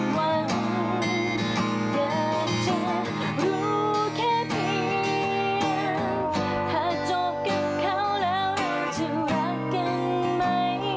สวัสดีค่ะ